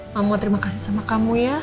mama terima kasih sama kamu ya